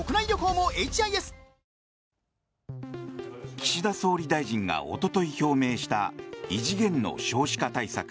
岸田総理大臣がおととい表明した異次元の少子化対策。